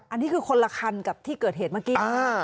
อันนี้คือคนละคันกับที่เกิดเหตุเมื่อกี้